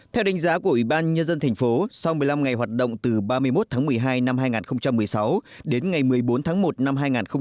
theo đánh giá của ubnd tp sau một mươi năm ngày hoạt động từ ba mươi một tháng một mươi hai năm hai nghìn một mươi sáu đến ngày một mươi bốn tháng một năm hai nghìn một mươi bảy